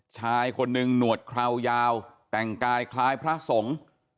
ชายคนหนึ่งหนวดคราวยาวแต่งกายคล้ายพระสงฆ์